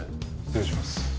失礼します。